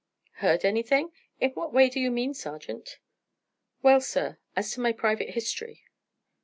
"Heard anything! In what way do you mean, sergeant?" "Well, sir, as to my private history."